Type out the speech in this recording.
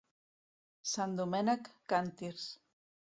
Sant Domènec, càntirs.